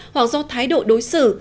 hoặc do thái độ đối xử